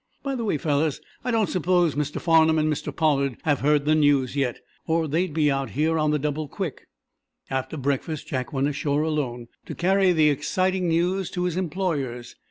By the way, fellows, I don't suppose Mr. Farnum and Mr. Pollard have heard the news yet, or they'd be out here on the double quick." After breakfast Jack went ashore alone, to carry the exciting news to his employers.